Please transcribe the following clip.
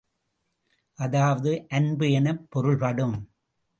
அதாவது அன்பு எனப் பொருள்படும்.